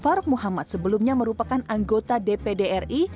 farouk muhammad sebelumnya merupakan anggota dpdri